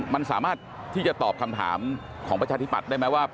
มันสามารถที่จะตอบคำถามของประชาธิปัตย์ได้ไหมว่า